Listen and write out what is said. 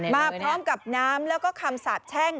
มาพร้อมกับน้ำแล้วก็คำสาบแช่ง